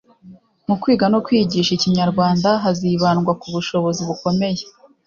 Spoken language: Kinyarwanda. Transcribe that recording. mu kwiga no kwigisha ikinyarwanda hazibandwa ku bushobozi bukomeye